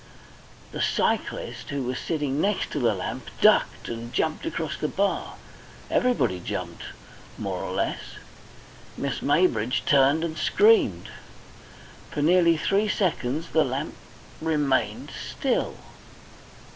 The cyclist, who was sitting next the lamp, ducked and jumped across the bar. Everybody jumped, more or less. Miss Maybridge turned and screamed. For nearly three seconds the lamp remained still.